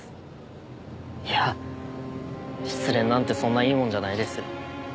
いや失恋なんてそんないいもんじゃないですよ。